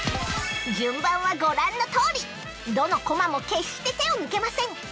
順番はご覧のとおりどのコマも決して手を抜けません